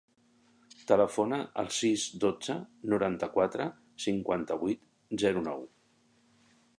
Telefona al sis, dotze, noranta-quatre, cinquanta-vuit, zero, nou.